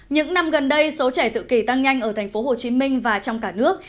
những năm gần đây số trẻ tự kỳ tăng nhanh ở tp hcm và trong cả nước